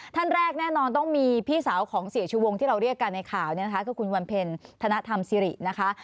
ท่านแรกแน่นอนต้องมีพี่สาวของเสียชูวงที่เราเรียกกันในข่าวเนี่ยนะคะคือคุณวันเพ็ญธนธรรมสิรินะคะ